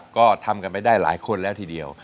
ก็ทำกันไปได้หลายคนแล้วทีเดียว